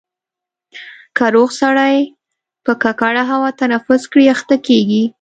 که روغ سړی په ککړه هوا تنفس کړي اخته کېږي.